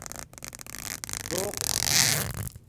ڈݸق